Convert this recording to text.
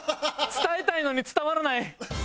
伝えたいのに伝わらない。